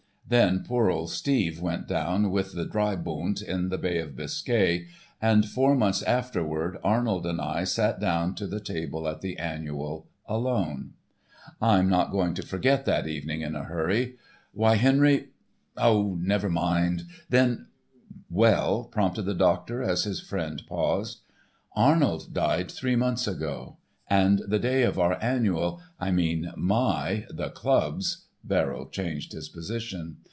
Then poor old Steve went down with the Dreibund in the bay of Biscay, and four months afterward Arnold and I sat down to the table at the Annual, alone. I'm not going to forget that evening in a hurry. Why, Henry—oh! never mind. Then—" "Well," prompted the doctor as his friend paused: "Arnold died three months ago. And the day of our Annual—I mean my—the club's," Verrill changed his position.